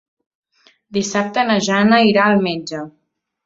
Dissabte na Jana irà al metge.